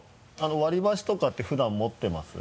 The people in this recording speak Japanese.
割り箸とかって普段持ってます？